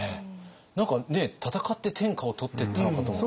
何か戦って天下を取ってったのかと思ったら。